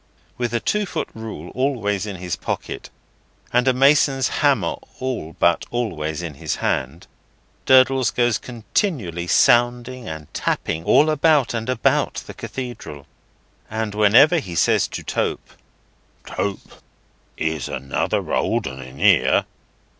With a two foot rule always in his pocket, and a mason's hammer all but always in his hand, Durdles goes continually sounding and tapping all about and about the Cathedral; and whenever he says to Tope: "Tope, here's another old 'un in here!"